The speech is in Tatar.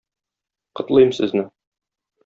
Котлыйм сезне!